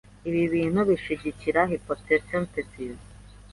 Ibi bintu bishyigikira hypothesis.